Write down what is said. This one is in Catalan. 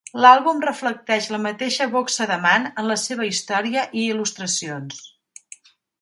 L'àlbum reflecteix la mateixa boxa de Mann en la seva història i il·lustracions.